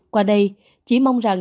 qua đây chỉ mong rằng